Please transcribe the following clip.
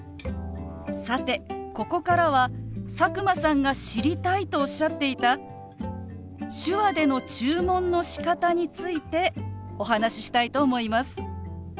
さてここからは佐久間さんが知りたいとおっしゃっていた手話での注文のしかたについてお話ししたいと思います。